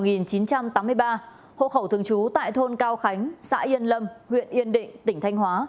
hộ khẩu thường trú tại thôn cao khánh xã yên lâm huyện yên định tỉnh thanh hóa